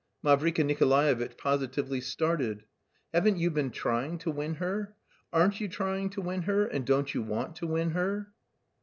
Mavriky Nikolaevitch positively started. "Haven't you been trying to win her? Aren't you trying to win her, and don't you want to win her?"